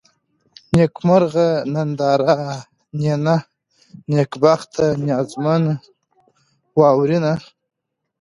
نېکمرغه ، ننداره ، نينه ، نېکبخته ، نيازمنه ، واورېنه